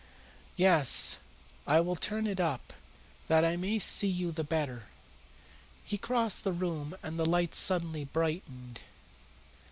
Yes, I will turn it up, that I may see you the better." He crossed the room and the light suddenly brightened.